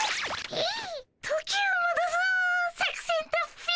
えっ？